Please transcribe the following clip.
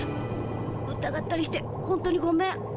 疑ったりして本当にごめん。